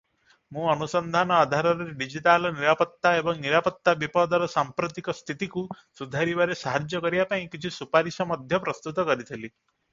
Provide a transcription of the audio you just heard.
ମୁଁ ଅନୁସନ୍ଧାନ ଆଧାରରେ ଡିଜିଟାଲ ନିରାପତ୍ତା ଏବଂ ନିରାପତ୍ତା ବିପଦର ସାମ୍ପ୍ରତିକ ସ୍ଥିତିକୁ ସୁଧାରିବାରେ ସାହାଯ୍ୟ କରିବା ପାଇଁ କିଛି ସୁପାରିସ ମଧ୍ୟ ପ୍ରସ୍ତୁତ କରିଥିଲି ।